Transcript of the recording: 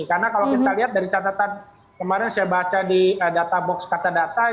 karena kalau kita lihat dari catatan kemarin saya baca di data box kata data